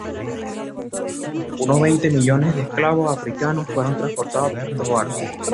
Unos veinte millones de esclavos africanos fueron transportados por estos barcos.